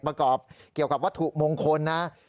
ประกอบเกี่ยวกับวัตถุมงคลนะ